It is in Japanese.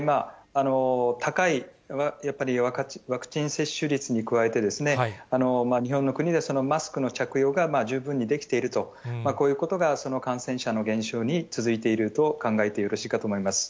高いワクチン接種率に加えて、日本の国でマスクの着用が十分にできていると、こういうことが感染者の減少に続いていると考えてよろしいかと思います。